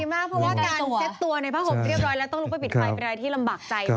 เพราะว่าการเซ็ตตัวในผ้าห่มเรียบร้อยแล้วต้องลุกไปปิดไฟเป็นอะไรที่ลำบากใจมาก